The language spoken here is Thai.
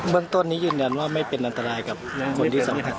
บางตัวนี้ยืนยันว่าไม่เป็นอันตรายกับคนที่สำคัญ